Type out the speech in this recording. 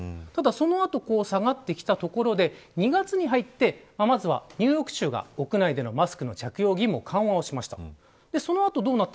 その後、下がってきたところで２月に入って、ニューヨーク州が屋内でのマスクの着用義務を緩和しました。